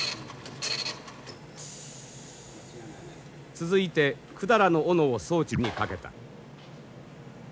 続いて百済の斧を装置にかけた。